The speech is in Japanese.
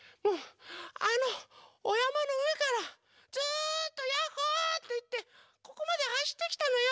あのおやまのうえからずっと「ヤッホー」っていってここまではしってきたのよ！